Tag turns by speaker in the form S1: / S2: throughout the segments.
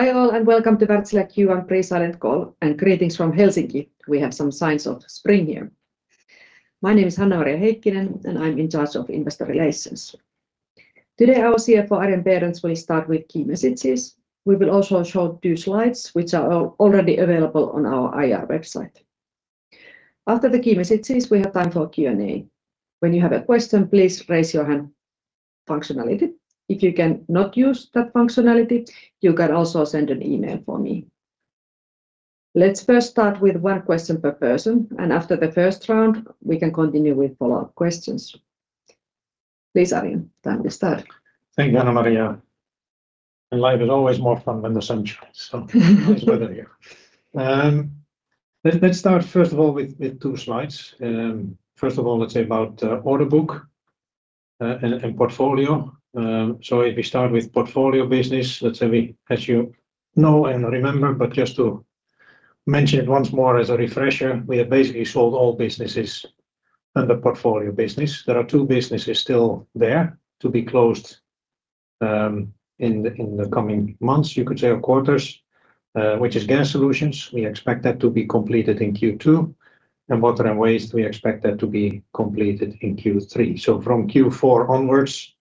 S1: Hi all and welcome to Wärtsilä Q1 pre-silent call, and greetings from Helsinki. We have some signs of spring here. My name is Hanna-Maria Heikkinen, and I'm in charge of Investor Relations. Today, our CFO, Arjen Berends, will start with key messages. We will also show two slides which are already available on our IR website. After the key messages, we have time for Q&A. When you have a question, please raise your hand functionality. If you cannot use that functionality, you can also send an email for me. Let's first start with one question per person, and after the first round, we can continue with follow-up questions. Please, Arjen, time to start.
S2: Thank you, Hanna-Maria. Life is always more fun when the sun shines, so nice weather here. Let's start first of all with two slides. First of all, let's say about order book and portfolio. If we start with portfolio business, as you know and remember, but just to mention it once more as a refresher, we have basically sold all businesses under portfolio business. There are two businesses still there to be closed in the coming months, you could say, or quarters, which is Gas Solutions. We expect that to be completed in Q2, and Water & Waste, we expect that to be completed in Q3. From Q4 onwards,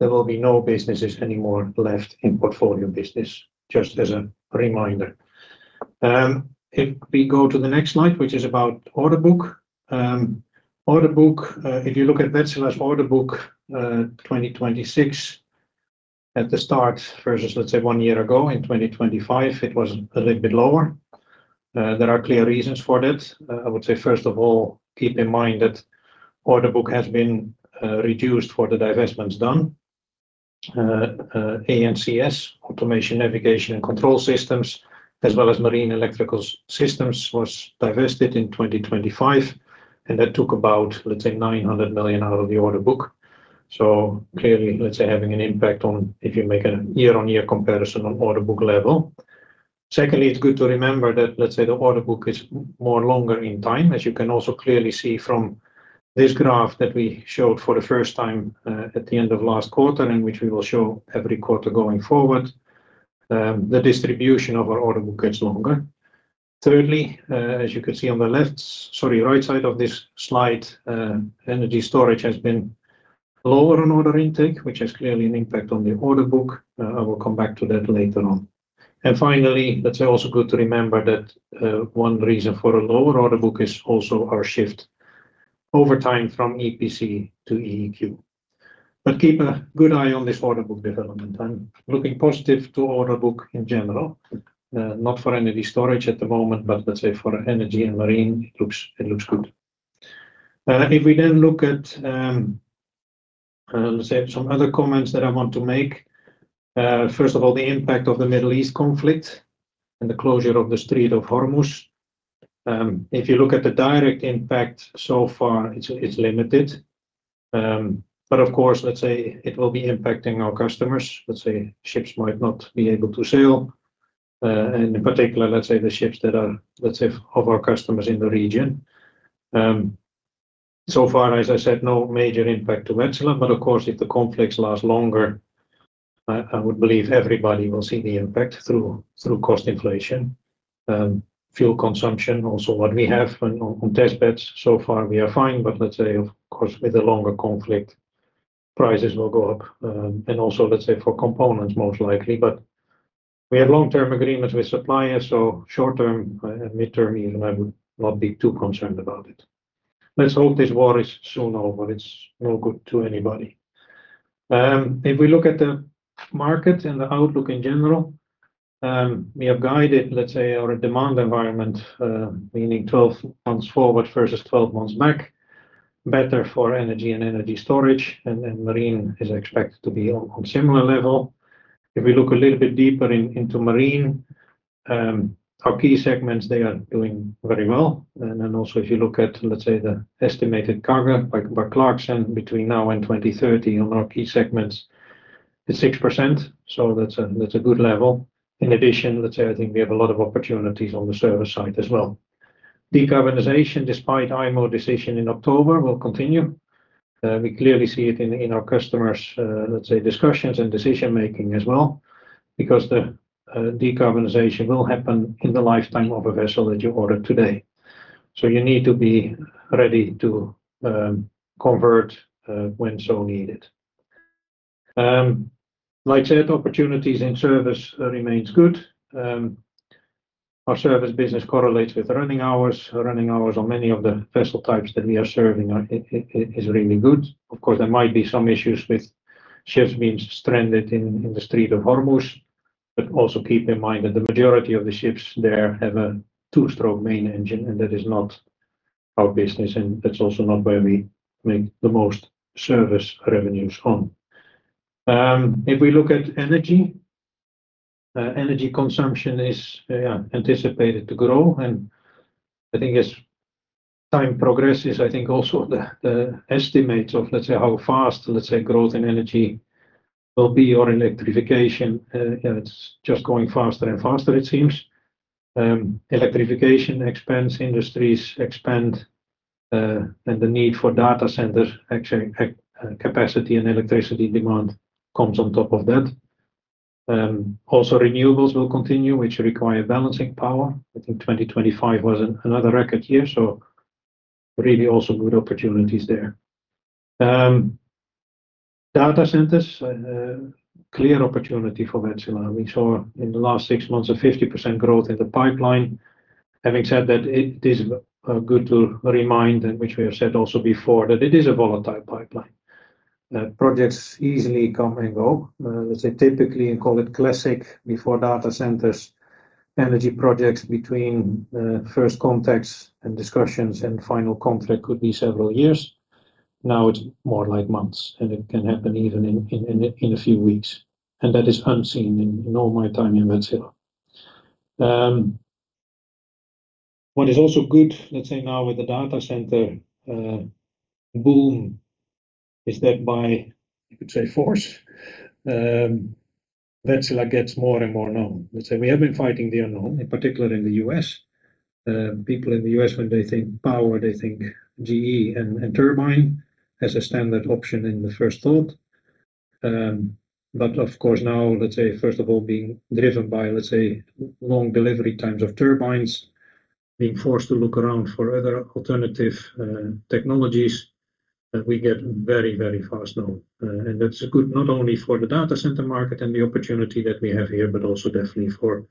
S2: there will be no businesses anymore left in portfolio business, just as a reminder. If we go to the next slide, which is about order book. Order book, if you look at Wärtsilä's order book, 2026 at the start versus, let's say one year ago in 2025, it was a little bit lower. There are clear reasons for that. I would say, first of all, keep in mind that order book has been reduced for the divestments done. ANCS, Automation Navigation and Control Systems, as well as Marine Electrical Systems was divested in 2025, and that took about, let's say, 900 million out of the order book. Clearly, let's say, having an impact on if you make a year-on-year comparison on order book level. Secondly, it's good to remember that, let's say the order book is more longer in time, as you can also clearly see from this graph that we showed for the first time at the end of last quarter, in which we will show every quarter going forward, the distribution of our order book gets longer. Thirdly, as you can see on the right side of this slide, energy storage has been lower on order intake, which has clearly an impact on the order book. I will come back to that later on. Finally, let's say also good to remember that, one reason for a lower order book is also our shift over time from EPC to EEQ. Keep a good eye on this order book development. I'm looking positive to order book in general, not for energy storage at the moment, but let's say for energy and marine, it looks good. If we then look at, let's say some other comments that I want to make. First of all, the impact of the Middle East conflict and the closure of the Strait of Hormuz. If you look at the direct impact so far, it's limited. Of course, let's say it will be impacting our customers. Let's say ships might not be able to sail. In particular, let's say the ships that are, let's say, of our customers in the region. So far, as I said, no major impact to Wärtsilä, but of course, if the conflicts last longer, I would believe everybody will see the impact through cost inflation, fuel consumption. Also, what we have on testbeds so far, we are fine, but let's say of course, with a longer conflict, prices will go up. Also, let's say for components most likely, but we have long-term agreements with suppliers, so short-term and mid-term even, I would not be too concerned about it. Let's hope this war is soon over. It's no good to anybody. If we look at the market and the outlook in general, we have guided, let's say, our demand environment, meaning 12 months forward versus 12 months back, better for energy and energy storage and then marine is expected to be on similar level. If we look a little bit deeper into marine, our key segments, they are doing very well. Then also if you look at, let's say, the estimated cargo by Clarksons between now and 2030 on our key segments is 6%, so that's a good level. In addition, let's say I think we have a lot of opportunities on the service side as well. Decarbonization, despite IMO decision in October, will continue. We clearly see it in our customers' let's say, discussions and decision-making as well because the decarbonization will happen in the lifetime of a vessel that you order today. You need to be ready to convert when so needed. Like I said, opportunities in service remains good. Our service business correlates with running hours. Running hours on many of the vessel types that we are serving are really good. Of course, there might be some issues with ships being stranded in the Strait of Hormuz. But also keep in mind that the majority of the ships there have a two-stroke main engine, and that is not our business, and that's also not where we make the most service revenues on. If we look at energy consumption is, yeah, anticipated to grow. I think as time progresses, I think also the estimates of, let's say, how fast, let's say, growth in energy will be, or electrification, it's just going faster and faster, it seems. Electrification expands, industries expand, and the need for data centers, actually, capacity and electricity demand comes on top of that. Also renewables will continue, which require balancing power. I think 2025 was another record year, so really also good opportunities there. Data centers, a clear opportunity for Wärtsilä. We saw in the last six months a 50% growth in the pipeline. Having said that, it is good to remind, and which we have said also before, that it is a volatile pipeline. Projects easily come and go. Let's say typically, and call it classic before data centers, energy projects between first contacts and discussions and final contract could be several years. Now, it's more like months, and it can happen even in a few weeks, and that is unseen in all my time in Wärtsilä. What is also good, let's say now with the data center boom, is that by, you could say force, Wärtsilä gets more and more known. Let's say we have been fighting the unknown, in particular in the U.S. People in the U.S. when they think power, they think GE and turbine as a standard option in the first thought. Of course, now, let's say first of all, being driven by, let's say, long delivery times of turbines, being forced to look around for other alternative technologies that we get very fast now. That's good not only for the data center market and the opportunity that we have here, but also definitely for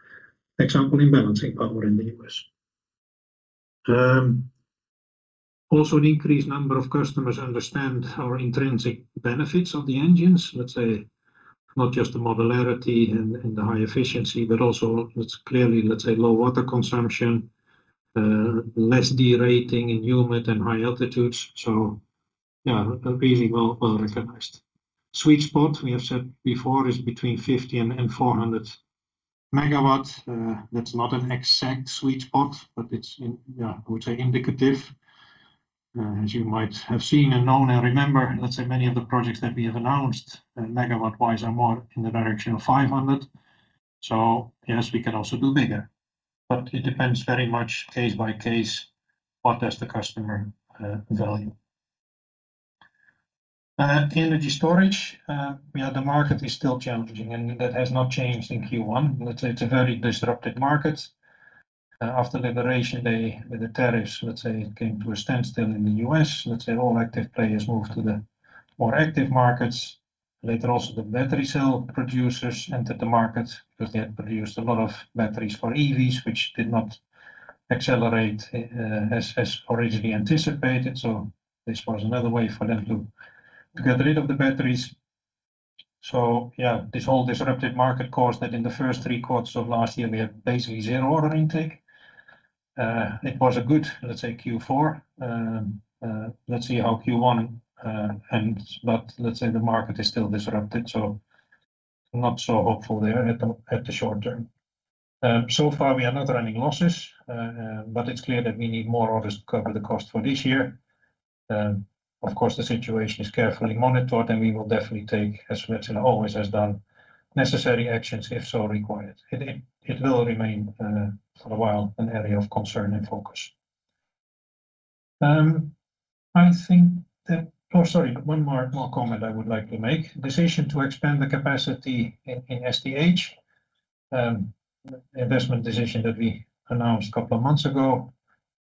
S2: example, in balancing power in the U.S. Also an increased number of customers understand our intrinsic benefits of the engines. Let's say not just the modularity and the high efficiency, but also it's clearly, let's say, low water consumption, less derating in humid and high altitudes. Yeah, really well-recognized. Sweet spot, we have said before, is between 50 and 400 MW. That's not an exact sweet spot, but it's indicative. As you might have seen and known and remember, let's say many of the projects that we have announced megawatt-wise are more in the direction of 500. So yes, we can also do bigger, but it depends very much case by case, what does the customer value? Energy storage, the market is still challenging, and that has not changed in Q1. Let's say it's a very disrupted market. After Liberation Day with the tariffs, let's say it came to a standstill in the U.S. Let's say all active players moved to the more active markets. Later, also the battery cell producers entered the market because they had produced a lot of batteries for EVs, which did not accelerate as originally anticipated. This was another way for them to get rid of the batteries. Yeah, this whole disruptive market caused that in the first three quarters of last year, we had basically zero order intake. It was a good, let's say Q4. Let's see how Q1 ends. Let's say the market is still disrupted, so not so hopeful there at the short term. So far, we are not running losses, but it's clear that we need more orders to cover the cost for this year. Of course, the situation is carefully monitored, and we will definitely take, as Wärtsilä always has done, necessary actions if so required. It will remain for a while an area of concern and focus. Oh, sorry, one more comment I would like to make. Decision to expand the capacity in STH, investment decision that we announced a couple of months ago,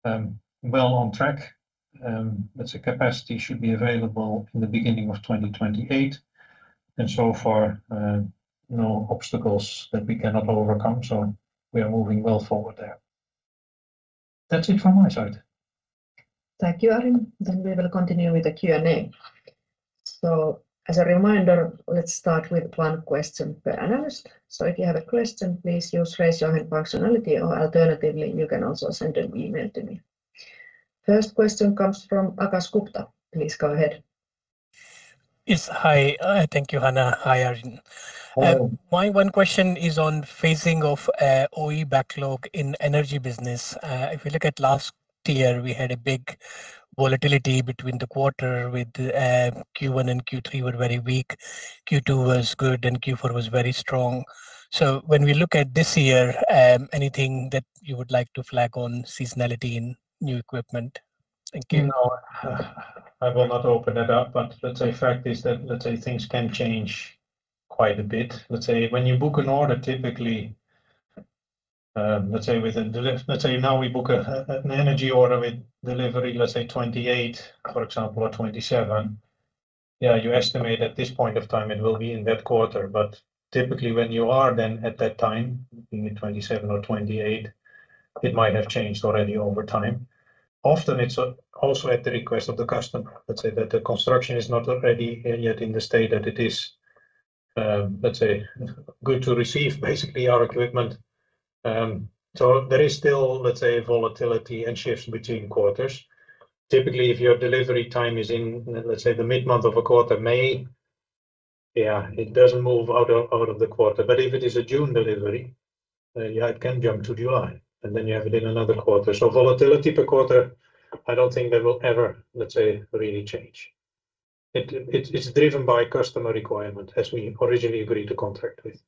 S2: well on track. Let's say capacity should be available in the beginning of 2028, and so far, no obstacles that we cannot overcome, so we are moving well forward there. That's it from my side.
S1: Thank you, Arjen. We will continue with the Q&A. As a reminder, let's start with one question per analyst. If you have a question, please use raise your hand functionality, or alternatively, you can also send an email to me. First question comes from Akash Gupta. Please go ahead.
S3: Yes. Hi. Thank you, Hanna. Hi, Arjen.
S2: Hello.
S3: My one question is on phasing of OE backlog in energy business. If you look at last year, we had a big volatility between the quarter with Q1 and Q3 were very weak. Q2 was good, and Q4 was very strong. When we look at this year, anything that you would like to flag on seasonality in new equipment? Thank you.
S2: You know, I will not open that up. Let's say fact is that, let's say things can change quite a bit. Let's say when you book an order, typically, let's say now we book an energy order with delivery, let's say 2028, for example, or 2027. Yeah, you estimate at this point of time it will be in that quarter. Typically, when you are then at that time, being in 2027 or 2028, it might have changed already over time. Often, it's also at the request of the customer, let's say that the construction is not ready yet in the state that it is, let's say good to receive basically our equipment. There is still, let's say, volatility and shifts between quarters. Typically, if your delivery time is in, let's say, the mid-month of a quarter, May, it doesn't move out of the quarter. If it is a June delivery, it can jump to July, and then you have it in another quarter. Volatility per quarter, I don't think that will ever, let's say, really change. It's driven by customer requirement as we originally agreed the contract with.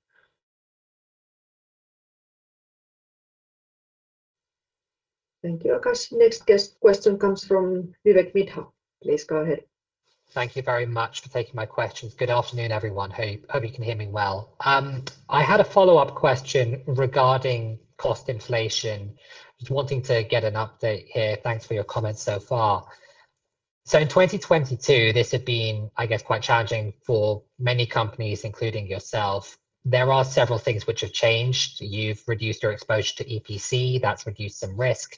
S1: Thank you, Akash. Next question comes from Vivek Midha. Please go ahead.
S4: Thank you very much for taking my questions. Good afternoon, everyone. Hope you can hear me well. I had a follow-up question regarding cost inflation. Just wanting to get an update here. Thanks for your comments so far. In 2022, this had been, I guess, quite challenging for many companies, including yourself. There are several things which have changed. You've reduced your exposure to EPC, that's reduced some risk.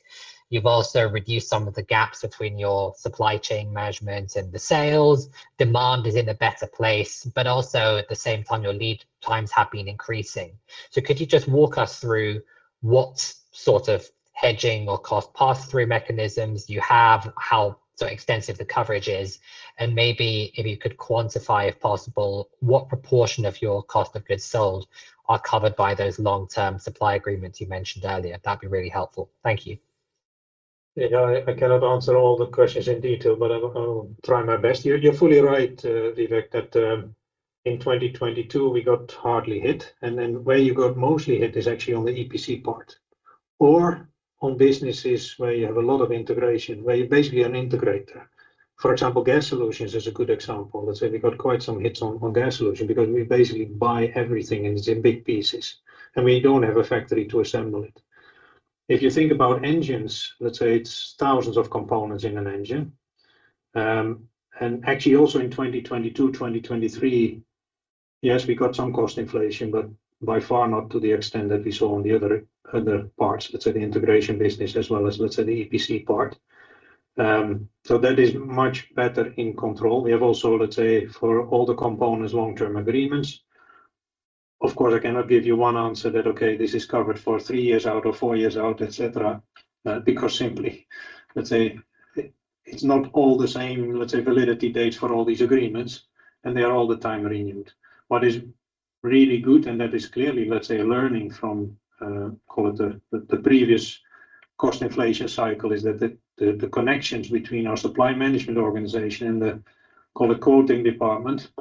S4: You've also reduced some of the gaps between your supply chain management and the sales. Demand is in a better place, but also at the same time, your lead times have been increasing. Could you just walk us through what sort of hedging or cost pass-through mechanisms you have, how extensive the coverage is, and maybe if you could quantify, if possible, what proportion of your cost of goods sold are covered by those long-term supply agreements you mentioned earlier? That'd be really helpful. Thank you.
S2: Yeah. I cannot answer all the questions in detail, but I'll try my best. You're fully right, Vivek, that in 2022 we got hard hit, and then where you got mostly hit is actually on the EPC part or on businesses where you have a lot of integration, where you're basically an integrator. For example, Gas Solutions is a good example. Let's say we got quite some hits on Gas Solutions because we basically buy everything and it's in big pieces, and we don't have a factory to assemble it. If you think about engines, let's say it's thousands of components in an engine. Actually also in 2022, 2023, yes, we got some cost inflation, but by far not to the extent that we saw on the other parts. Let's say the integration business as well as, let's say, the EPC part. That is much better in control. We have also, let's say, for all the components, long-term agreements. Of course, I cannot give you one answer that, okay, this is covered for three years out or four years out, et cetera, because simply, let's say it's not all the same, let's say validity dates for all these agreements, and they are all the time renewed. What is really good, and that is clearly, let's say, learning from, call it the previous cost inflation cycle, is that the connections between our supply management organization and the, call it quoting department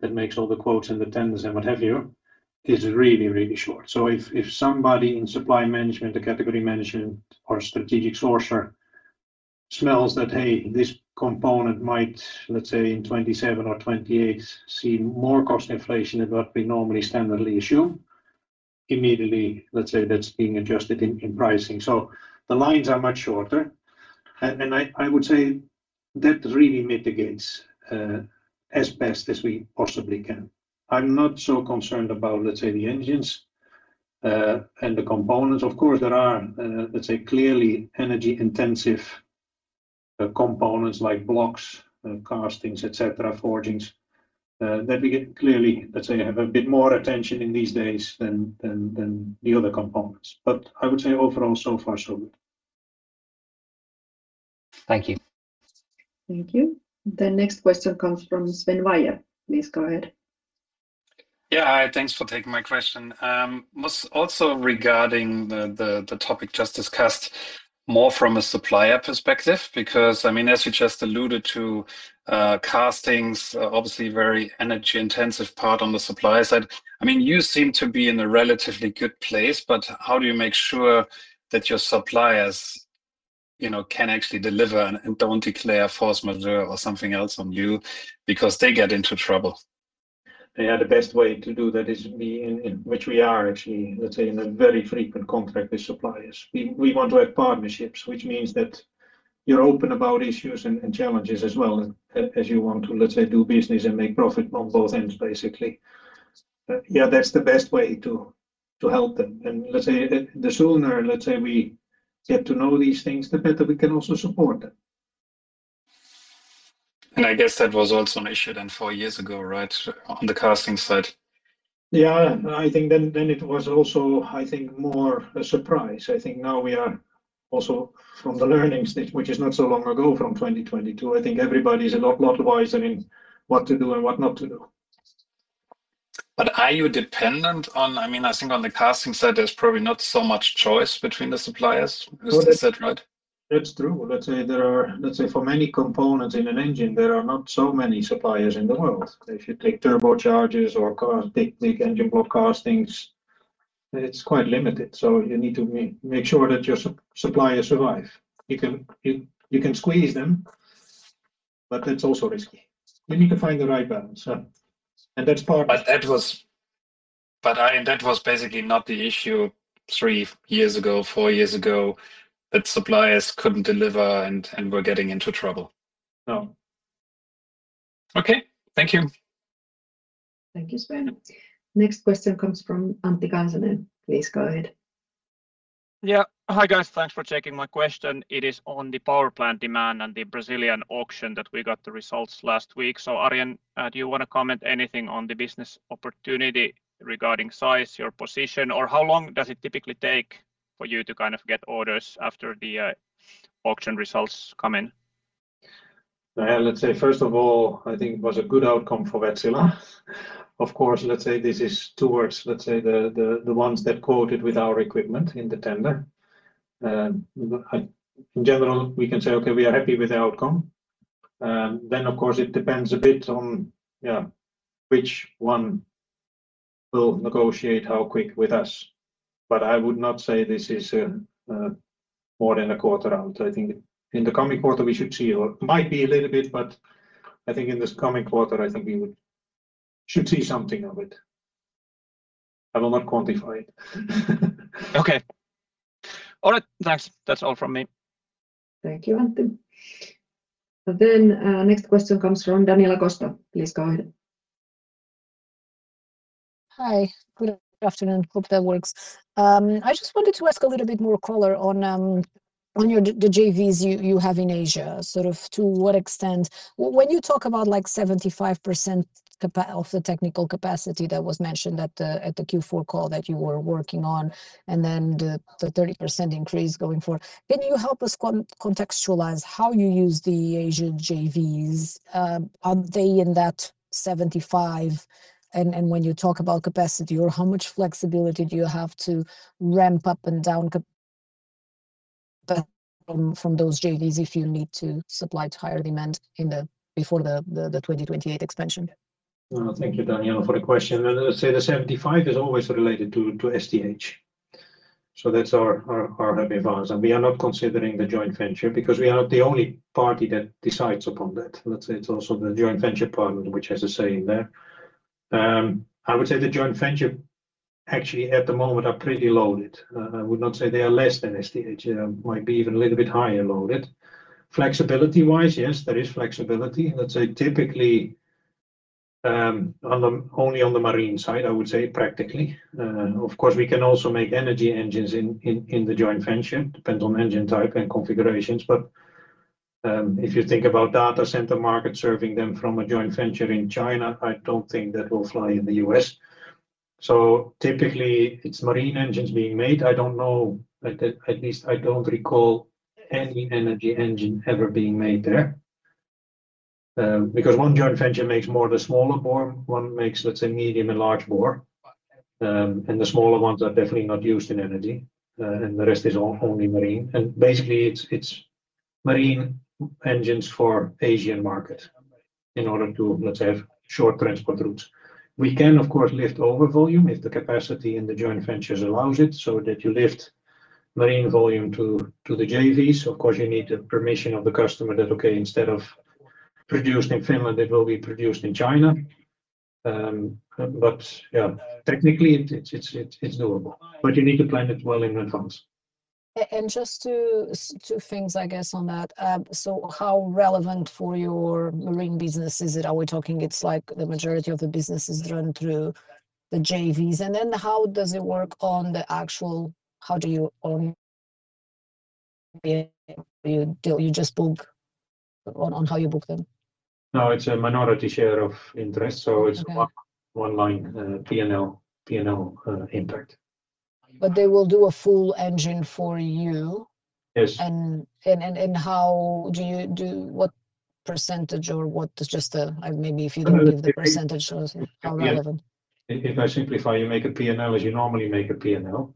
S2: that makes all the quotes and the tenders and what have you, is really, really short. If somebody in supply management, the category management or strategic sourcer smells that, hey, this component might, let's say in 2027 or 2028 see more cost inflation than what we normally standardly assume, immediately, let's say that's being adjusted in pricing. The lines are much shorter. I would say that really mitigates as best as we possibly can. I'm not so concerned about, let's say, the engines and the components. Of course, there are, let's say clearly energy intensive components like blocks, castings, et cetera, forgings that we get clearly, let's say have a bit more attention in these days than the other components. I would say overall, so far so good.
S4: Thank you.
S1: Thank you. The next question comes from Sven Weier. Please go ahead.
S5: Yeah. Thanks for taking my question. I was also regarding the topic just discussed more from a supplier perspective because, I mean, as you just alluded to, castings obviously very energy-intensive part on the supplier side. I mean, you seem to be in a relatively good place, but how do you make sure that your suppliers, you know, can actually deliver and don't declare force majeure or something else on you because they get into trouble?
S2: Yeah. The best way to do that is to be in a very frequent contact with suppliers, which we are actually, let's say. We want to have partnerships, which means that you're open about issues and challenges as well as you want to, let's say, do business and make profit on both ends, basically. Yeah, that's the best way to help them. Let's say the sooner, let's say, we get to know these things, the better we can also support them.
S5: I guess that was also an issue then four years ago, right, on the casting side?
S2: Yeah. I think then it was also, I think, more a surprise. I think now we are also from the learnings, which is not so long ago, from 2022. I think everybody is a lot wiser in what to do and what not to do.
S5: I mean, I think on the casting side, there's probably not so much choice between the suppliers. Is that right?
S2: That's true. Let's say for many components in an engine, there are not so many suppliers in the world. If you take turbochargers or big, big engine block castings, it's quite limited. You need to make sure that your suppliers survive. You can squeeze them, but that's also risky. You need to find the right balance. That's part
S5: I mean, that was basically not the issue three years ago, four years ago, that suppliers couldn't deliver and were getting into trouble.
S2: No.
S5: Okay. Thank you.
S1: Thank you, Sven. Next question comes from Antti Kansanen. Please go ahead.
S6: Yeah. Hi, guys. Thanks for taking my question. It is on the power plant demand and the Brazilian auction that we got the results last week. Arjen, do you want to comment anything on the business opportunity regarding size, your position, or how long does it typically take for you to kind of get orders after the auction results come in?
S2: Yeah. Let's say, first of all, I think it was a good outcome for Wärtsilä. Of course, let's say this is towards the ones that quoted with our equipment in the tender. In general, we can say, okay, we are happy with the outcome. Then of course, it depends a bit on which one will negotiate how quick with us. I would not say this is more than a quarter out. I think in the coming quarter we should see or might be a little bit, but I think in this coming quarter, I think we should see something of it. I will not quantify it.
S6: Okay. All right. Thanks. That's all from me.
S1: Thank you, Antti. Next question comes from Daniela Costa. Please go ahead.
S7: Hi, good afternoon. Hope that works. I just wanted to ask a little bit more color on your JVs you have in Asia, sort of to what extent. When you talk about, like, 75% of the technical capacity that was mentioned at the Q4 call that you were working on, and then the 30% increase going forward, can you help us contextualize how you use the Asia JVs? Are they in that 75% and when you talk about capacity, or how much flexibility do you have to ramp up and down from those JVs if you need to supply to higher demand before the 2028 expansion?
S2: Well, thank you, Daniela, for the question. Let's say the 75 is always related to STH. That's our heavy advance, and we are not considering the joint venture because we are the only party that decides upon that. Let's say it's also the joint venture partner which has a say in there. I would say the joint venture actually at the moment are pretty loaded. I would not say they are less than STH. Might be even a little bit higher loaded. Flexibility-wise, yes, there is flexibility. Let's say typically only on the marine side, I would say practically. Of course, we can also make energy engines in the joint venture, depends on engine type and configurations. If you think about data center market serving them from a joint venture in China, I don't think that will fly in the U.S. Typically, it's marine engines being made. I don't know, at least I don't recall any energy engine ever being made there. Because one joint venture makes more the smaller bore, one makes, let's say, medium and large bore. The smaller ones are definitely not used in energy, and the rest is only marine. Basically, it's marine engines for Asian market in order to, let's say, have short transport routes. We can, of course, lift over volume if the capacity in the joint ventures allows it so that you lift marine volume to the JV. Of course, you need the permission of the customer that, okay, instead of produced in Finland, it will be produced in China. Yeah, technically it's doable, but you need to plan it well in advance.
S7: Just two things I guess on that. How relevant for your marine business is it? Are we talking it's like the majority of the business is run through the JVs? How do you own? You just book on how you book them?
S2: No, it's a minority share of interest, so it's one line P&L impact.
S7: They will do a full engine for you.
S2: Yes.
S7: What percentage or what is just, maybe if you don't give the percentage or how relevant?
S2: If I simplify, you make a P&L as you normally make a P&L,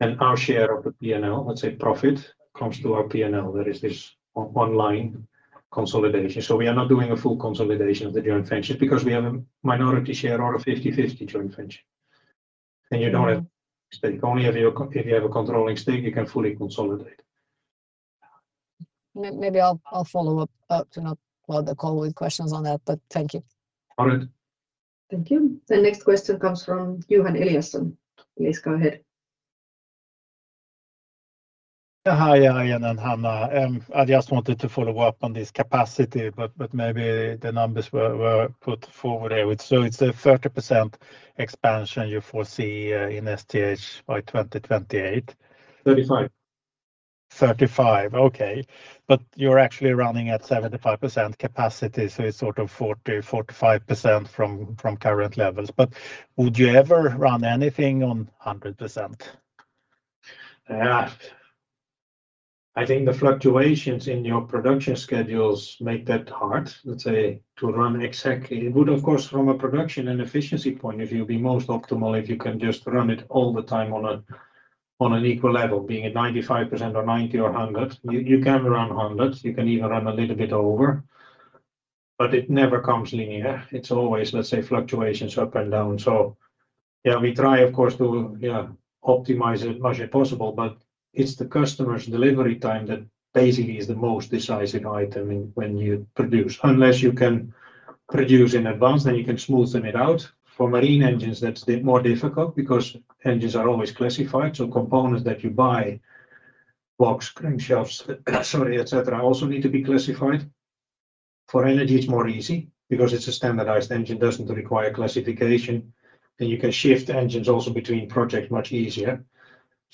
S2: and our share of the P&L, let's say profit, comes to our P&L. There is this one-line consolidation. We are not doing a full consolidation of the joint venture because we have a minority share or a 50-50 joint venture, and you don't have stake. Only if you have a controlling stake, you can fully consolidate.
S7: Maybe I'll follow up after the call with questions on that, but thank you.
S2: All right.
S1: Thank you. The next question comes from Johan Eliason. Please go ahead.
S8: Hi, Arjen and Hanna. I just wanted to follow up on this capacity, but maybe the numbers were put forward there. It's a 30% expansion you foresee in STH by 2028.
S2: 35.
S8: 35. Okay. You're actually running at 75% capacity, so it's sort of 40, 45% from current levels. Would you ever run anything on 100%?
S2: Yeah. I think the fluctuations in your production schedules make that hard, let's say, to run exactly. It would, of course, from a production and efficiency point of view, be most optimal if you can just run it all the time on a, on an equal level, being at 95% or 90% or 100%. You can run 100%. You can even run a little bit over, but it never comes linear. It's always, let's say, fluctuations up and down. Yeah, we try, of course, to optimize it as much as possible, but it's the customer's delivery time that basically is the most decisive item in when you produce. Unless you can produce in advance, then you can smoothen it out. For marine engines, that's the more difficult because engines are always classified, so components that you buy, blocks, crankshafts, sorry, et cetera, also need to be classified. For energy, it's more easy because it's a standardized engine, doesn't require classification, and you can shift engines also between project much easier.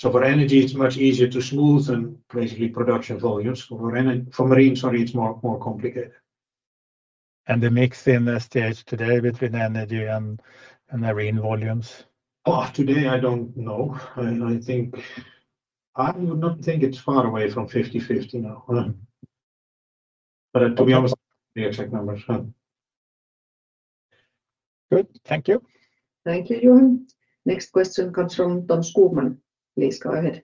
S2: For energy, it's much easier to smoothen basically production volumes. For marine, sorry, it's more complicated.
S8: The mix in STH today between energy and marine volumes?
S2: Today, I don't know. I think I would not think it's far away from 50-50 now. To be honest, the exact numbers.
S8: Good. Thank you.
S1: Thank you, Johan. Next question comes from Tom Skogman. Please go ahead.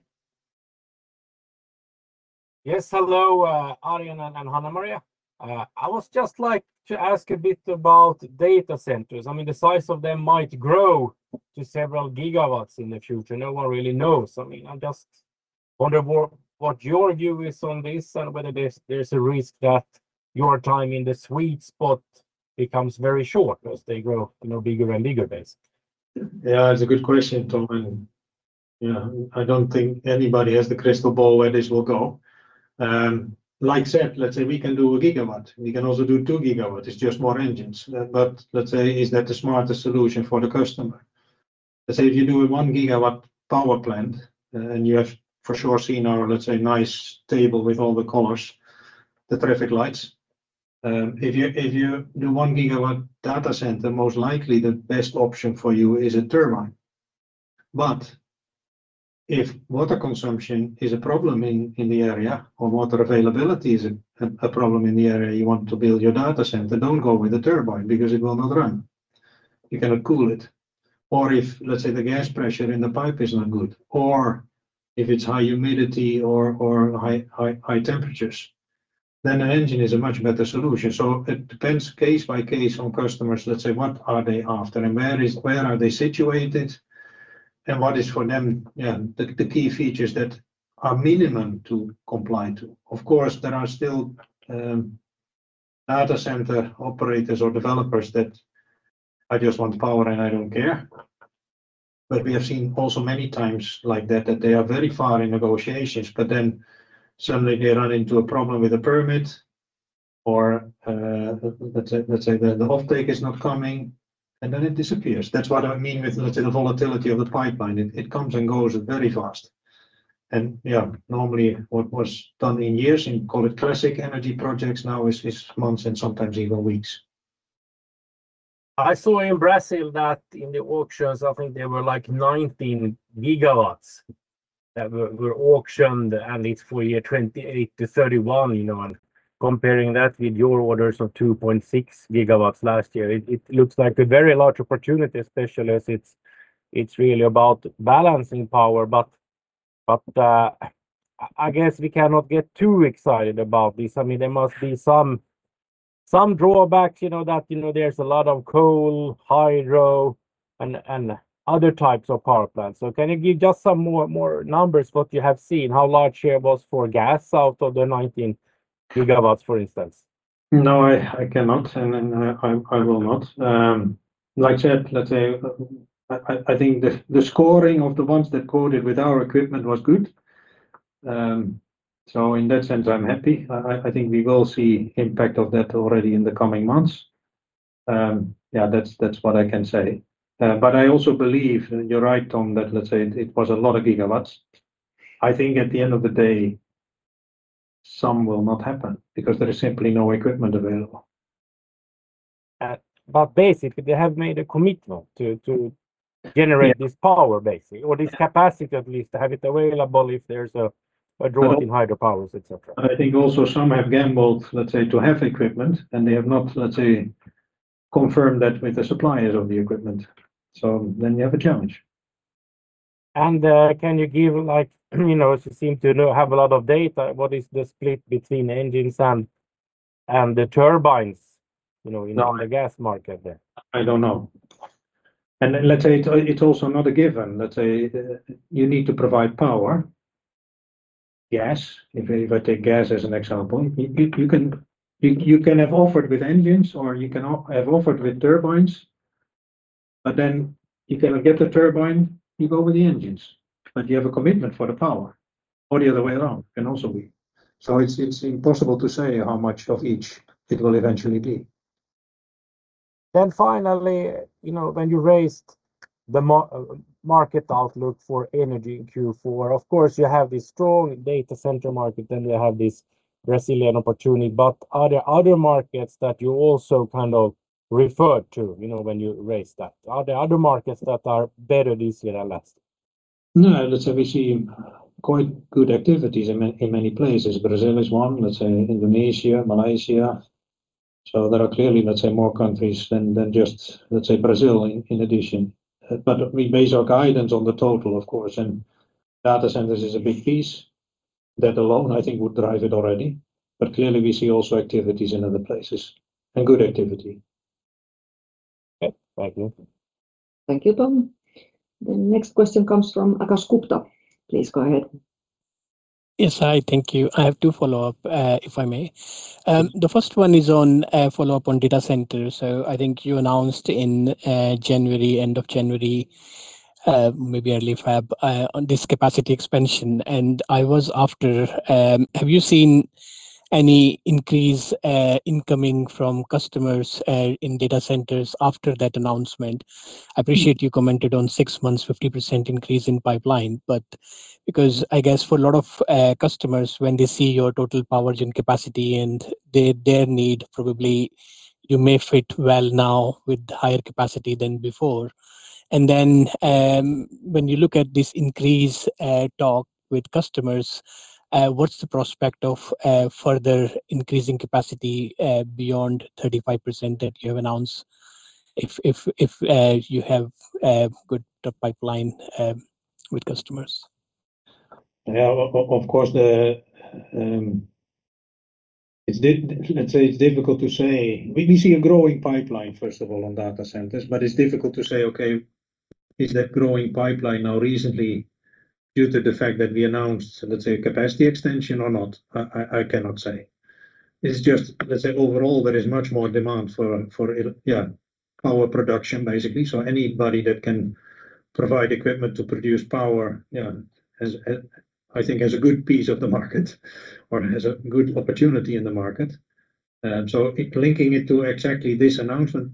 S9: Yes, hello, Arjen and Hanna-Maria. I would just like to ask a bit about data centers. I mean, the size of them might grow to several gigawatts in the future. No one really knows. I mean, I'm just wondering what your view is on this and whether there's a risk that your time in the sweet spot becomes very short as they grow, you know, bigger and bigger base.
S2: Yeah, it's a good question, Tom. You know, I don't think anybody has the crystal ball where this will go. Like I said, let's say we can do one gigawatt. We can also do two gigawatt. It's just more engines. But let's say, is that the smartest solution for the customer? Let's say if you do a one gigawatt power plant, and you have for sure seen our, let's say, nice table with all the colors, the traffic lights. If you do 1 gigawatt data center, most likely the best option for you is a turbine. But if water consumption is a problem in the area or water availability is a problem in the area you want to build your data center, don't go with the turbine because it will not run. You cannot cool it. If, let's say, the gas pressure in the pipe is not good, or if it's high humidity or high temperatures, then an engine is a much better solution. It depends case by case on customers, let's say, what are they after and where are they situated and what is for them, the key features that are minimum to comply to. Of course, there are still data center operators or developers that, "I just want power, and I don't care." We have seen also many times like that they are very far in negotiations, but then suddenly they run into a problem with the permit or, let's say, the offtake is not coming, and then it disappears. That's what I mean with, let's say, the volatility of the pipeline. It comes and goes very fast. Yeah, normally what was done in years, in call it classic energy projects, now is months and sometimes even weeks.
S9: I saw in Brazil that in the auctions, I think there were like 19 GW that were auctioned, and it's for year 2028-2031, you know. Comparing that with your orders of 2.6 GW last year, it looks like a very large opportunity, especially as it's really about balancing power. But I guess we cannot get too excited about this. I mean, there must be some drawbacks, you know, that, you know, there's a lot of coal, hydro, and other types of power plants. Can you give just some more numbers what you have seen, how large it was for gas out of the 19 GW, for instance?
S2: No, I cannot, and I will not. Like I said, let's say I think the scoring of the ones that quoted with our equipment was good. In that sense, I'm happy. I think we will see impact of that already in the coming months. Yeah, that's what I can say. I also believe you're right, Tom, that let's say it was a lot of gigawatts. I think at the end of the day, some will not happen because there is simply no equipment available.
S9: Basically, they have made a commitment to generate this power basically or this capacity at least to have it available if there's a drop in hydropower, et cetera.
S2: I think also some have gambled, let's say, to have equipment, and they have not, let's say, confirmed that with the suppliers of the equipment. You have a challenge.
S9: Can you give like, you know, you seem to have a lot of data. What is the split between engines and the turbines, you know, in the gas market there?
S2: I don't know. Let's say it's also not a given. Let's say you need to provide power. Gas, if I take gas as an example, you can have offered with engines, or you can have offered with turbines. But then you cannot get the turbine, you go with the engines, but you have a commitment for the power or the other way around can also be. It's impossible to say how much of each it will eventually be.
S9: Finally, you know, when you raised the market outlook for energy in Q4, of course, you have this strong data center market, then you have this Brazilian opportunity. Are there other markets that you also kind of referred to, you know, when you raised that? Are there other markets that are better this year than last?
S2: No. Let's say we see quite good activities in many places. Brazil is one. Let's say Indonesia, Malaysia. There are clearly, let's say, more countries than just, let's say, Brazil in addition. We base our guidance on the total, of course, and data centers is a big piece. That alone, I think, would drive it already. Clearly, we see also activities in other places, and good activity.
S9: Okay. Thank you.
S1: Thank you, Tom. The next question comes from Akash Gupta. Please go ahead.
S3: Yes. Hi, thank you. I have two follow-up, if I may. The first one is on a follow-up on data center. I think you announced in January, end of January, maybe early February, on this capacity expansion. I was after, have you seen any increase incoming from customers in data centers after that announcement? I appreciate you commented on six months, 50% increase in pipeline. Because I guess for a lot of customers, when they see your total power gen capacity and their need, probably you may fit well now with higher capacity than before. When you look at this increased talk with customers, what's the prospect of further increasing capacity beyond 35% that you have announced if you have good top pipeline with customers?
S2: Of course, let's say it's difficult to say. We see a growing pipeline, first of all, on data centers, but it's difficult to say, okay, is that growing pipeline now recently due to the fact that we announced, let's say, capacity extension or not? I cannot say. It's just, let's say, overall, there is much more demand for power production, basically. So anybody that can provide equipment to produce power has, I think, a good piece of the market or has a good opportunity in the market. Linking it to exactly this announcement,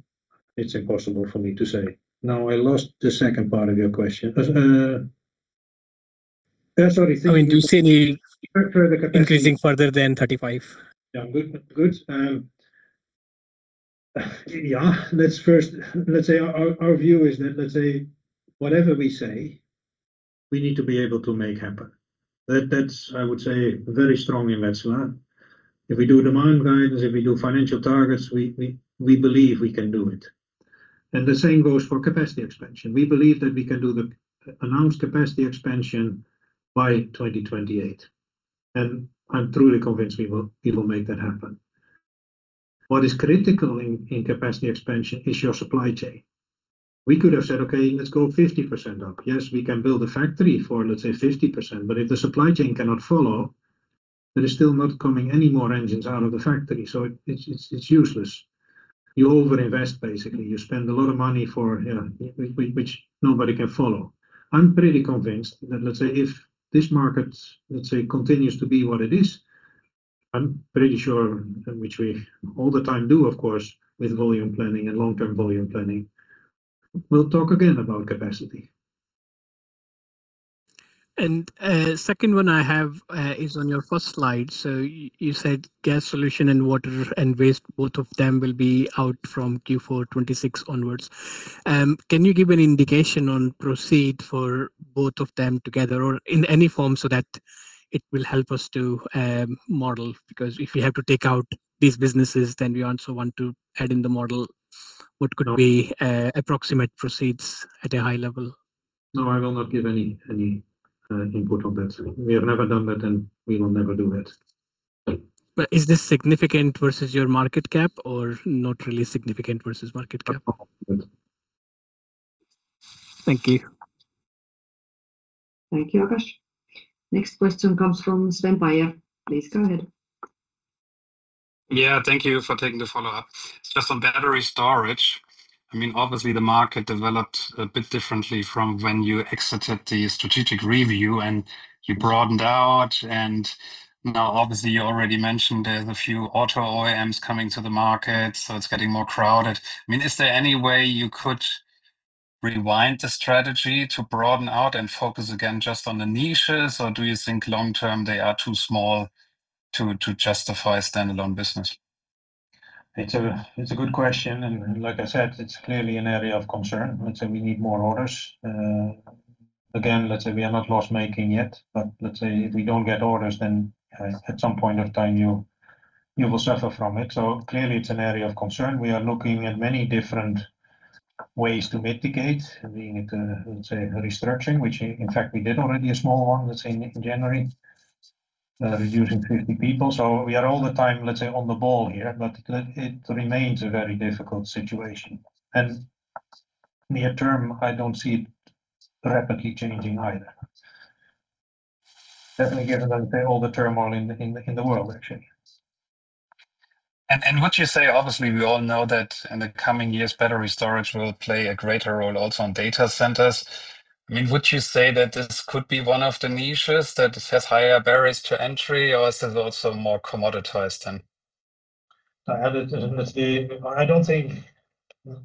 S2: it's impossible for me to say. Now, I lost the second part of your question.
S3: I mean, do you see any increasing further than 35?
S2: Let's say our view is that, let's say, whatever we say, we need to be able to make happen. That's, I would say, very strong in Wärtsilä. If we do demand guidance, if we do financial targets, we believe we can do it. The same goes for capacity expansion. We believe that we can do the announced capacity expansion by 2028, and I'm truly convinced we will make that happen. What is critical in capacity expansion is your supply chain. We could have said, "Okay, let's go 50% up." Yes, we can build a factory for, let's say, 50%, but if the supply chain cannot follow, there is still not coming any more engines out of the factory, so it's useless. You overinvest, basically. You spend a lot of money for, yeah, which nobody can follow. I'm pretty convinced that, let's say, if this market, let's say, continues to be what it is, I'm pretty sure, and which we all the time do, of course, with volume planning and long-term volume planning, we'll talk again about capacity.
S3: Second one I have is on your first slide. You said Gas Solutions and Water & Waste, both of them will be out from Q4 2026 onwards. Can you give an indication on proceeds for both of them together or in any form so that it will help us to model? Because if we have to take out these businesses, then we also want to add in the model what could be
S2: No.
S3: Approximate proceeds at a high level.
S2: No, I will not give any input on that. We have never done that, and we will never do that.
S3: Is this significant versus your market cap or not really significant versus market cap? Thank you.
S1: Thank you, Akash. Next question comes from Sven Weier. Please go ahead.
S5: Yeah. Thank you for taking the follow-up. Just on battery storage, I mean, obviously, the market developed a bit differently from when you exited the strategic review, and you broadened out. And now obviously you already mentioned there's a few auto OEMs coming to the market, so it's getting more crowded. I mean, is there any way you could rewind the strategy to broaden out and focus again just on the niches, or do you think long-term they are too small to justify standalone business?
S2: It's a good question. Like I said, it's clearly an area of concern. Let's say we need more orders. Again, let's say we are not loss-making yet, but let's say if we don't get orders, then at some point of time you will suffer from it. So clearly it's an area of concern. We are looking at many different ways to mitigate. We need to, let's say, restructuring, which in fact we did already a small one, let's say, in January, reducing 50 people. So we are all the time, let's say, on the ball here, but it remains a very difficult situation. Near-term, I don't see it rapidly changing either. Definitely given, let's say, all the turmoil in the world actually.
S5: Obviously, we all know that in the coming years battery storage will play a greater role also on data centers. I mean, would you say that this could be one of the niches that has higher barriers to entry or is it also more commoditized than?
S2: Let's say I don't think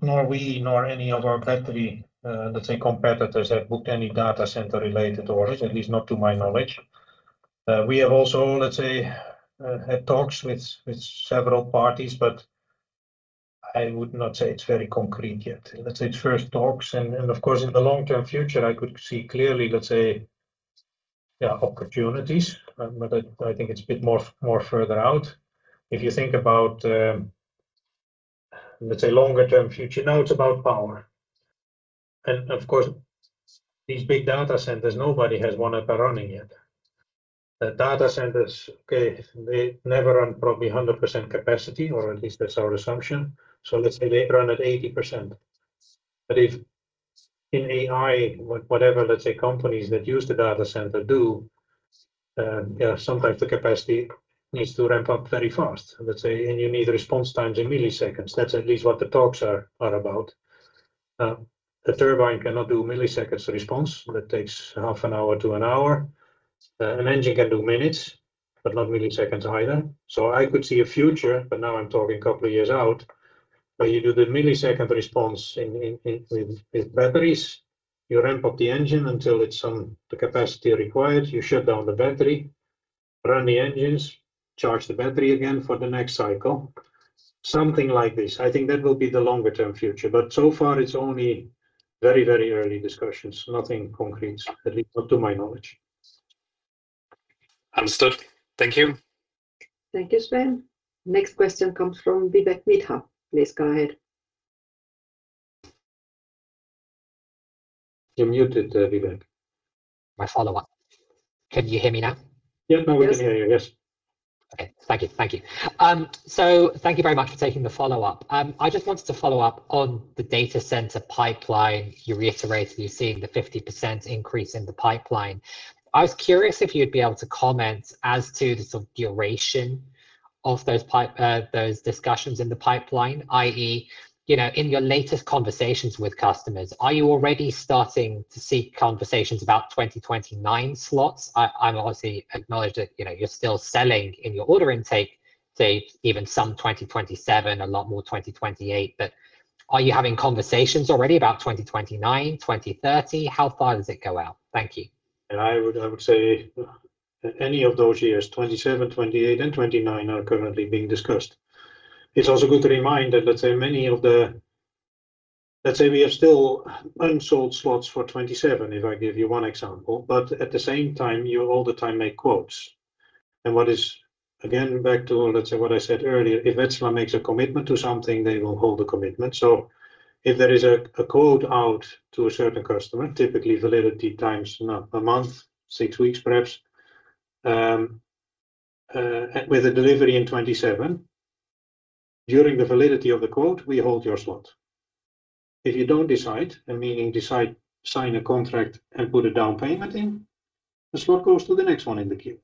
S2: nor we, nor any of our battery, let's say competitors have booked any data center related orders, at least not to my knowledge. We have also, let's say, had talks with several parties, but I would not say it's very concrete yet. Let's say it's first talks and of course, in the long-term future, I could see clearly, let's say, yeah, opportunities, but I think it's a bit more further out. If you think about, let's say longer-term future, now it's about power. Of course, these big data centers, nobody has one up and running yet. The data centers, okay, they never run probably 100% capacity, or at least that's our assumption. Let's say they run at 80%. If in AI, let's say companies that use the data center do, sometimes the capacity needs to ramp up very fast. Let's say, you need response times in milliseconds. That's at least what the talks are about. A turbine cannot do milliseconds response. That takes half an hour to an hour. An engine can do minutes, but not milliseconds either. I could see a future, but now I'm talking couple of years out, but you do the millisecond response with batteries. You ramp up the engine until it's the capacity required. You shut down the battery, run the engines, charge the battery again for the next cycle. Something like this. I think that will be the longer-term future, but so far it's only very, very early discussions. Nothing concrete, at least not to my knowledge.
S5: Understood. Thank you.
S1: Thank you, Sven. Next question comes from Vivek Midha. Please go ahead.
S2: You're muted, Vivek.
S4: My follow-up. Can you hear me now?
S2: Yeah. Now we can hear you. Yes.
S1: Yes.
S4: Okay. Thank you very much for taking the follow-up. I just wanted to follow up on the data center pipeline. You reiterated you're seeing the 50% increase in the pipeline. I was curious if you'd be able to comment as to the sort of duration of those discussions in the pipeline, i.e., you know, in your latest conversations with customers, are you already starting to see conversations about 2029 slots? I will obviously acknowledge that, you know, you're still selling in your order intake dates, even some 2027, a lot more 2028, but are you having conversations already about 2029, 2030? How far does it go out? Thank you.
S2: I would say any of those years, 2027, 2028, and 2029 are currently being discussed. It's also good to remind that, let's say we have still unsold slots for 2027, if I give you one example, but at the same time, we all the time make quotes. What is, again, back to, let's say, what I said earlier, if Wärtsilä makes a commitment to something, they will hold the commitment. If there is a quote out to a certain customer, typically validity time is a month, six weeks perhaps, with a delivery in 2027. During the validity of the quote, we hold your slot. If you don't decide, and meaning decide, sign a contract and put a down payment in, the slot goes to the next one in the queue.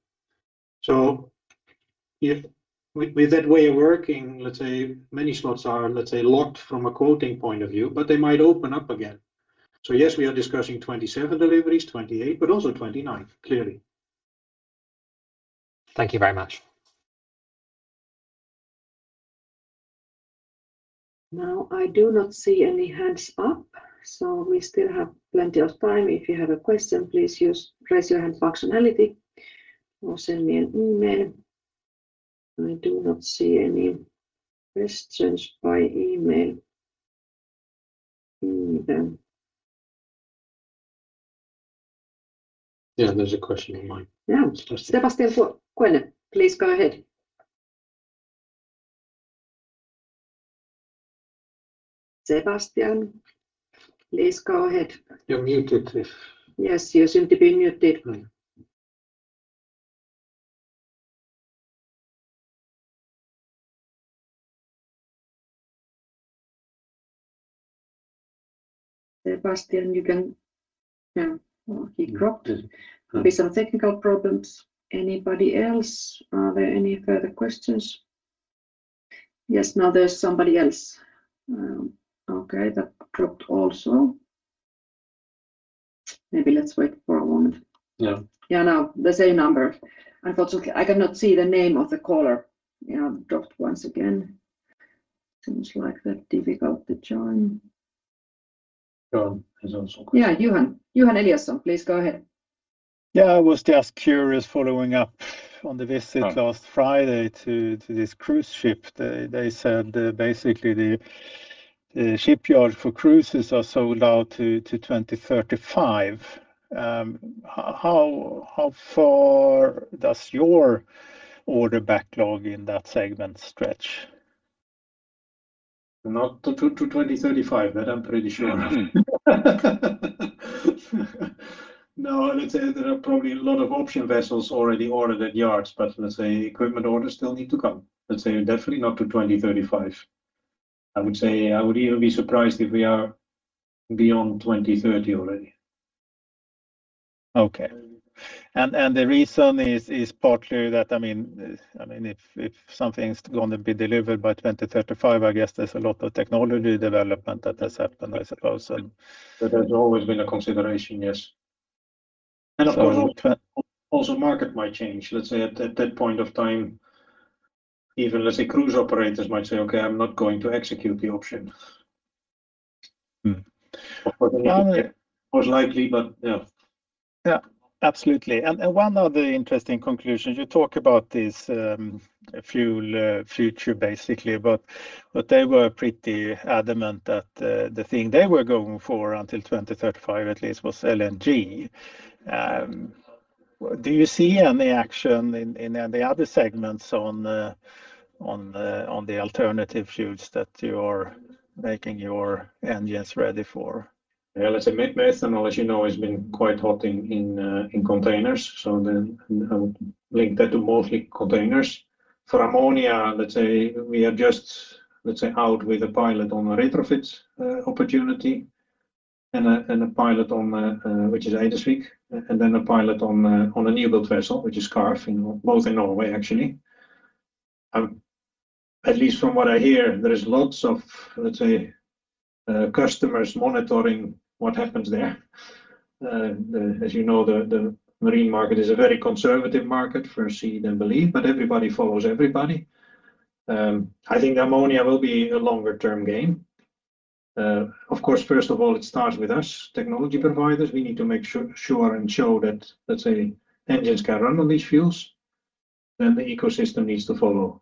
S2: If, with that way of working, let's say many slots are, let's say, locked from a quoting point of view, but they might open up again. Yes, we are discussing 27 deliveries, 28, but also 29, clearly.
S4: Thank you very much.
S1: Now, I do not see any hands up, so we still have plenty of time. If you have a question, please use raise your hand functionality or send me an email. I do not see any questions by email either.
S2: Yeah, there's a question online.
S1: Yeah.
S2: Sebastian.
S1: Sebastian Kuenne, please go ahead. Sebastian, please go ahead.
S2: You're muted.
S1: Yes, you seem to be muted.
S2: Mm-hmm.
S1: Sebastian, you can. Yeah. Well, he dropped. Maybe some technical problems. Anybody else? Are there any further questions? Yes. Now there's somebody else. Okay, that dropped also. Maybe let's wait for a moment.
S2: Yeah.
S1: Yeah. Now the same number. Okay, I cannot see the name of the caller. Yeah, dropped once again. Seems like they're difficult to join.
S2: Johan has also.
S1: Yeah. Johan. Johan Eliason, please go ahead.
S8: Yeah. I was just curious following up on the visit last Friday to this cruise ship. They said basically the shipyards for cruises are sold out to 2035. How far does your order backlog in that segment stretch?
S2: Not to 2035. That I'm pretty sure of. No, let's say there are probably a lot of option vessels already ordered at yards, but let's say equipment orders still need to come. Let's say definitely not to 2035. I would say even be surprised if we are beyond 2030 already.
S8: Okay. The reason is partly that, I mean, if something's going to be delivered by 2035, I guess there's a lot of technology development that has happened, I suppose, so.
S2: That has always been a consideration, yes. So.
S8: Of course. Also, market might change, let's say, at that point of time. Even, let's say, cruise operators might say, "Okay, I'm not going to execute the option.
S2: Mm-hmm.
S8: But another.
S2: Most likely, but yeah.
S8: Yeah, absolutely. One of the interesting conclusions, you talk about this fuel future basically, but they were pretty adamant that the thing they were going for until 2035 at least was LNG. Do you see any action in any other segments on the alternative fuels that you are making your engines ready for?
S2: Yeah. Let's say methanol, as you know, has been quite hot in containers, so then I would link that to mostly containers. For ammonia, let's say we are just out with a pilot on a retrofit opportunity and a pilot on the Eidesvik, and then a pilot on a newbuild vessel which is Karf, both in Norway actually. At least from what I hear, there is lots of, let's say, customers monitoring what happens there. As you know, the marine market is a very conservative market for see then believe, but everybody follows everybody. I think ammonia will be a longer-term game. Of course, first of all, it starts with us, technology providers. We need to make sure and show that, let's say, engines can run on these fuels. The ecosystem needs to follow,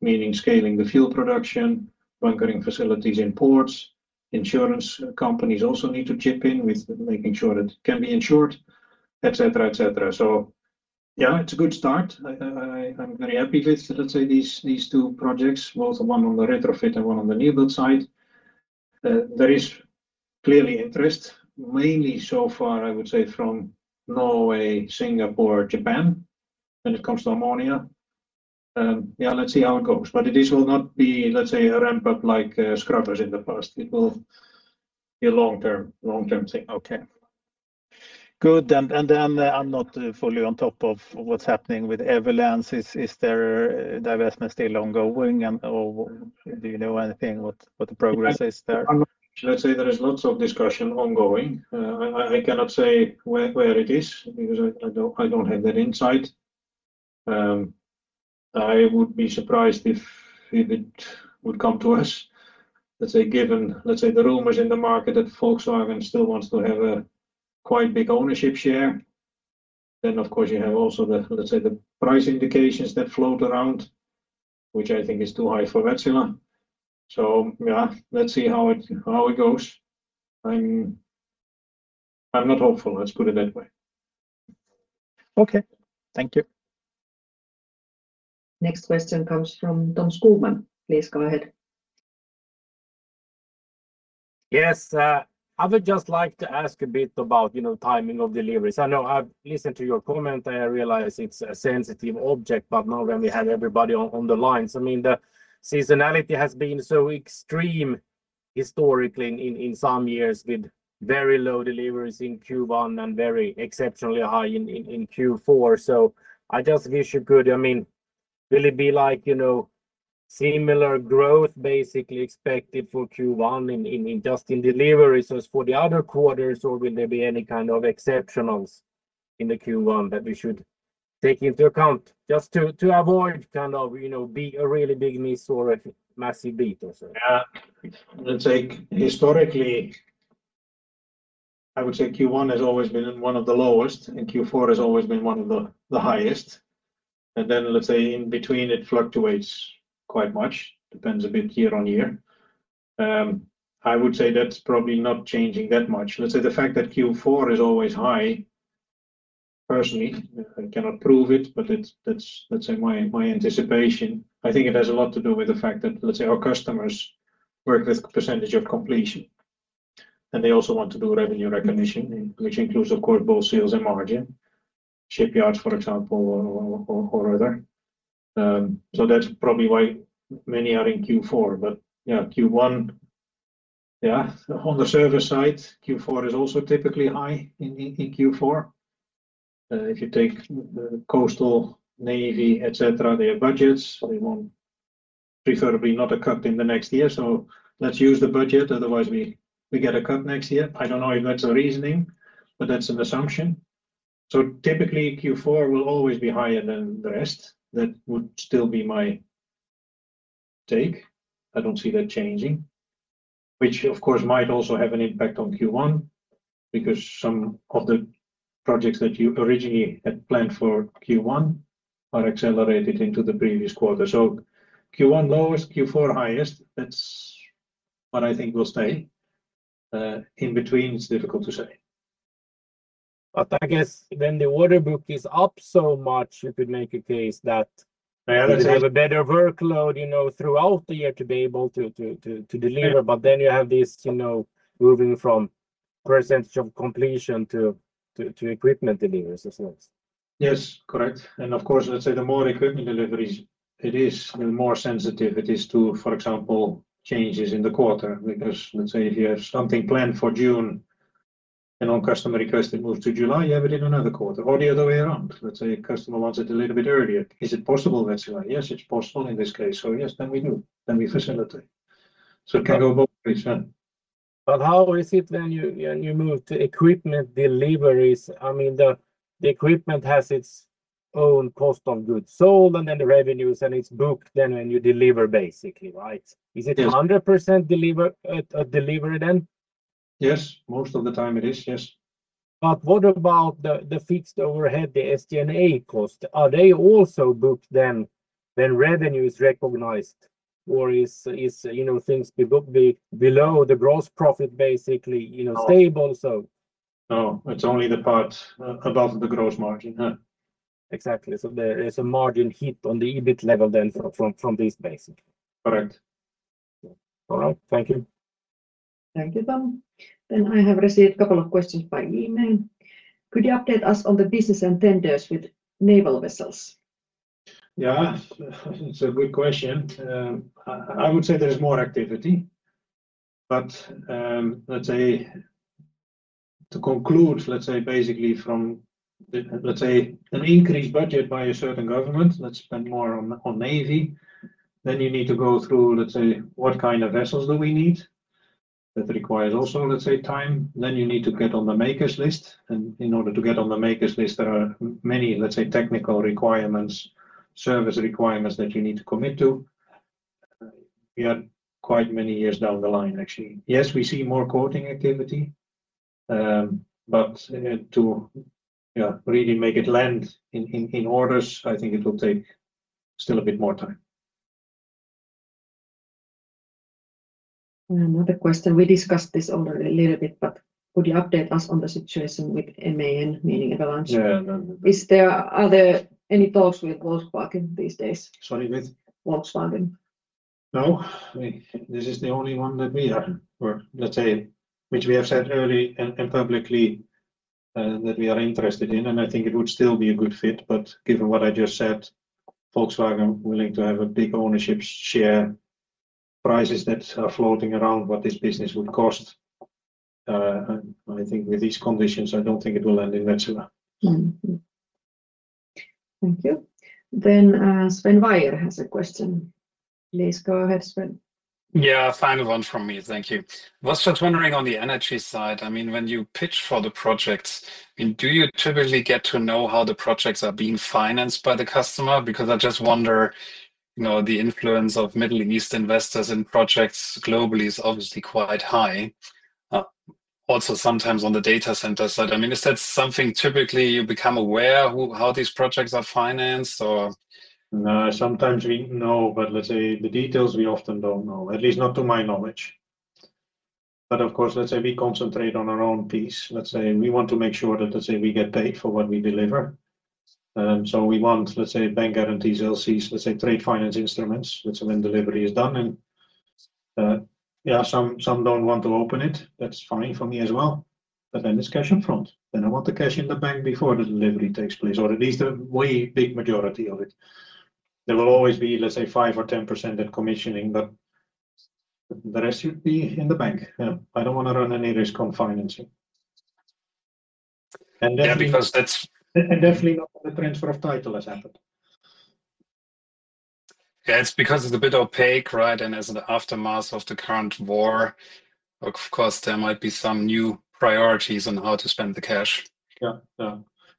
S2: meaning scaling the fuel production, bunkering facilities in ports. Insurance companies also need to chip in with making sure that it can be insured, et cetera, et cetera. Yeah, it's a good start. I'm very happy with, let's say, these two projects, both one on the retrofit and one on the new build side. There is clearly interest, mainly so far, I would say, from Norway, Singapore, Japan when it comes to ammonia. Yeah, let's see how it goes. This will not be, let's say, a ramp-up like scrubbers in the past. It will be a long-term thing.
S8: Okay. Good. Then I'm not fully on top of what's happening with Everlance. Is their divestment still ongoing and or do you know anything what the progress is there?
S2: Let's say there is lots of discussion ongoing. I cannot say where it is because I don't have that insight. I would be surprised if it would come to us. Let's say, given the rumors in the market that Volkswagen still wants to have a quite big ownership share. Then, of course, you have also the price indications that float around, which I think is too high for Wärtsilä. Yeah, let's see how it goes. I'm not hopeful, let's put it that way.
S8: Okay. Thank you.
S1: Next question comes from Tom Skogman. Please go ahead.
S9: Yes. I would just like to ask a bit about, you know, timing of deliveries. I know, I've listened to your comment, and I realize it's a sensitive subject, but now that we have everybody on the lines, I mean, the seasonality has been so extreme historically in some years with very low deliveries in Q1 and very exceptionally high in Q4. I just wish you could. I mean, will it be like, you know, similar growth basically expected for Q1 in just in deliveries as for the other quarters, or will there be any kind of exceptionals in the Q1 that we should take into account just to avoid kind of, you know, be a really big miss or a massive beat or so?
S2: Yeah. Let's say historically, I would say Q1 has always been one of the lowest, and Q4 has always been one of the highest. Then let's say in between, it fluctuates quite much. Depends a bit year on year. I would say that's probably not changing that much. Let's say the fact that Q4 is always high, personally, I cannot prove it, but that's let's say my anticipation. I think it has a lot to do with the fact that, let's say, our customers work with Percentage of Completion, and they also want to do revenue recognition, which includes, of course, both sales and margin, shipyards, for example, or other. So that's probably why many are in Q4. Yeah, Q1. On the service side, Q4 is also typically high in Q4. If you take the Coastal Navy, et cetera, their budgets, they probably won't have a cut in the next year. Let's use the budget, otherwise we get a cut next year. I don't know if that's the reasoning, but that's an assumption. Typically, Q4 will always be higher than the rest. That would still be my take. I don't see that changing. Which of course might also have an impact on Q1, because some of the projects that you originally had planned for Q1 are accelerated into the previous quarter. Q1 lowest, Q4 highest. That's what I think will stay. In between, it's difficult to say.
S9: I guess then the order book is up so much, you could make a case that.
S2: Exactly.
S9: You have a better workload, you know, throughout the year to be able to deliver. You have this, you know, moving from Percentage of Completion to equipment deliveries as well.
S2: Yes, correct. Of course, let's say the more equipment deliveries it is, the more sensitive it is to, for example, changes in the quarter. Because let's say if you have something planned for June, and on customer request, it moves to July, you have it in another quarter or the other way around. Let's say a customer wants it a little bit earlier. Is it possible, Wärtsilä? Yes, it's possible in this case. Yes, then we do, then we facilitate. It can go both ways, yeah.
S9: How is it when you move to equipment deliveries? I mean, the equipment has its own cost of goods sold and then the revenues, and it's booked then when you deliver basically, right?
S2: Yes.
S9: Is it 100% delivery then?
S2: Yes. Most of the time it is, yes.
S9: What about the fixed overhead, the SG&A cost? Are they also booked then when revenue is recognized, or is you know things be below the gross profit, basically, you know
S2: No.
S9: Stable, so?
S2: No. It's only the part above the gross margin. Yeah.
S9: Exactly. There is a margin hit on the EBIT level then from this basically.
S2: Correct.
S9: All right. Thank you.
S1: Thank you, Tom. I have received a couple of questions by email. Could you update us on the business and tenders with naval vessels?
S2: Yeah. It's a good question. I would say there is more activity, but, let's say to conclude, let's say basically from the, let's say an increased budget by a certain government, let's spend more on navy, you need to go through, let's say, what kind of vessels do we need. That requires also, let's say, time. You need to get on the makers list. In order to get on the makers list, there are many, let's say, technical requirements, service requirements that you need to commit to. We are quite many years down the line, actually. Yes, we see more quoting activity, but to really make it land in orders, I think it will take still a bit more time.
S1: Another question. We discussed this already a little bit, but would you update us on the situation with MAN, meaning Everlance?
S2: Yeah.
S1: Is there any talks with Volkswagen these days?
S2: Sorry, with?
S1: Volkswagen.
S2: No. I mean, this is the only one that we are, or let's say, which we have said early and publicly, that we are interested in, and I think it would still be a good fit, but given what I just said, Volkswagen willing to have a big ownership share, prices that are floating around what this business would cost, and I think with these conditions, I don't think it will end in Wärtsilä.
S1: Mm-hmm. Thank you. Sven Weier has a question. Please go ahead, Sven.
S5: Yeah. Final one from me. Thank you. I was just wondering on the energy side, I mean, when you pitch for the projects, I mean, do you typically get to know how the projects are being financed by the customer? Because I just wonder, you know, the influence of Middle East investors in projects globally is obviously quite high. Also sometimes on the data center side, I mean, is that something typically you become aware of how these projects are financed or?
S2: No. Sometimes we know, but let's say the details we often don't know. At least not to my knowledge. Of course, let's say we concentrate on our own piece. Let's say we want to make sure that, let's say, we get paid for what we deliver. We want, let's say, bank guarantees, LCs, let's say, trade finance instruments, which when delivery is done and yeah some don't want to open it. That's fine for me as well. It's cash in front. I want the cash in the bank before the delivery takes place, or at least a way big majority of it. There will always be, let's say, 5% or 10% in commissioning, but the rest should be in the bank. Yeah. I don't wanna run any risk on financing. Definitely
S5: Yeah, because that's.
S2: Definitely not when the transfer of title has happened.
S5: Yeah, it's because it's a bit opaque, right? As an aftermath of the current war, of course, there might be some new priorities on how to spend the cash.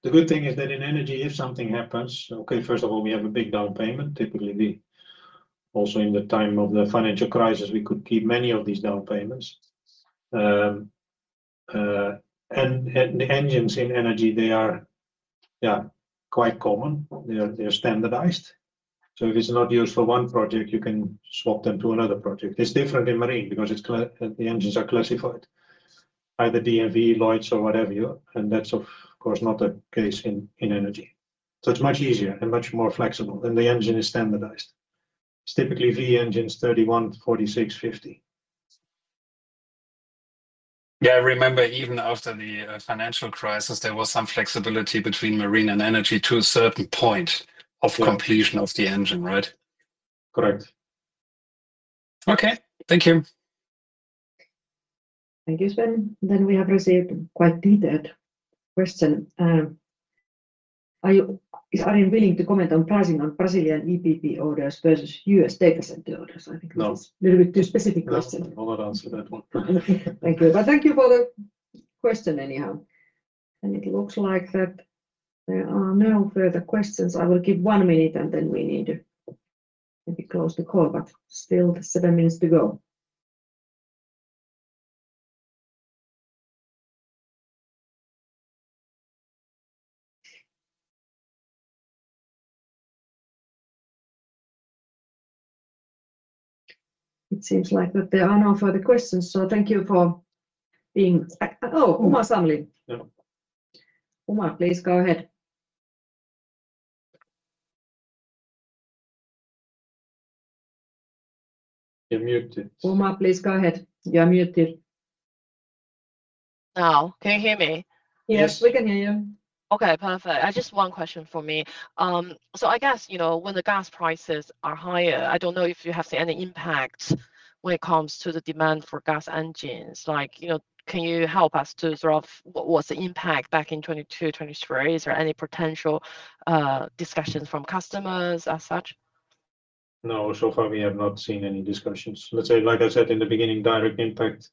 S2: The good thing is that in energy, if something happens, okay, first of all, we have a big down payment. Typically, also in the time of the financial crisis, we could keep many of these down payments. The engines in energy, they are quite common. They're standardized. So if it's not used for one project, you can swap them to another project. It's different in marine because the engines are classified, either DNV, Lloyd's or whatever. That's of course not the case in energy. So it's much easier and much more flexible, and the engine is standardized. It's typically V-engines 31-46/50.
S5: Yeah. I remember even after the financial crisis, there was some flexibility between marine and energy to a certain point. Percentage of Completion of the engine, right?
S2: Correct.
S5: Okay. Thank you.
S1: Thank you, Sven. We have received quite detailed question. Is Arjen willing to comment on pricing on Brazilian EPC orders versus U.S. data center orders? I think this.
S2: No.
S1: This is a little bit too specific question.
S2: No. I will not answer that one.
S1: Thank you. Thank you for the question anyhow. It looks like that there are no further questions. I will give one minute, and then we need to maybe close the call. Still seven minutes to go. It seems like that there are no further questions, so thank you for being. Oh, Uma Samlin.
S2: Yeah.
S1: Uma, please go ahead.
S2: You're muted.
S1: Uma, please go ahead. You are muted.
S10: Now, can you hear me?
S1: Yes.
S2: Yes.
S1: We can hear you.
S10: Okay, perfect. Just one question for me. I guess, you know, when the gas prices are higher, I don't know if you have seen any impact when it comes to the demand for gas engines. Like, you know, can you help us to sort of what was the impact back in 2022, 2023? Is there any potential discussions from customers as such?
S2: No. So far, we have not seen any discussions. Let's say, like I said in the beginning, direct impact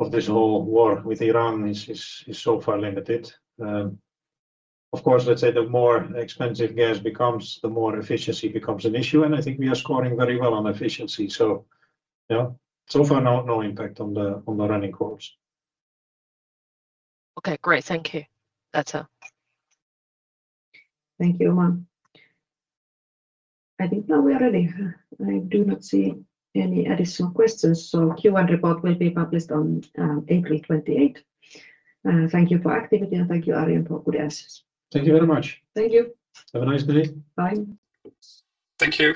S2: of this whole war with Iran is so far limited. Of course, let's say the more expensive gas becomes, the more efficiency becomes an issue, and I think we are scoring very well on efficiency. Yeah. So far, no impact on the running course.
S10: Okay, great. Thank you. That's all.
S1: Thank you, Uma. I think now we are ready. I do not see any additional questions, so Q&A report will be published on April 28. Thank you for activity, and thank you, Arjen Berends, for good answers.
S2: Thank you very much.
S1: Thank you.
S2: Have a nice day.
S1: Bye.
S2: Thank you.